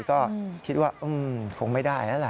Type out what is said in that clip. ก็คิดว่าอืมคงไม่ได้น่ะล่ะ